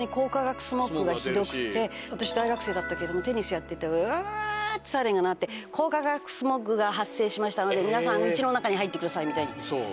私大学生だったけれどもテニスやっててウってサイレンが鳴って「光化学スモッグが発生しましたので皆さん家の中に入ってください」みたいに言われましたよ。